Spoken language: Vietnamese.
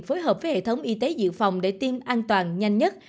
phối hợp với hệ thống y tế dự phòng để tiêm an toàn nhanh nhất